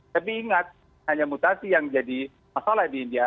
tapi ingat hanya mutasi yang jadi masalah di india